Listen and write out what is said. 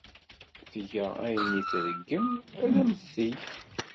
Tga ayen ay tṛeggem ad am-t-teg.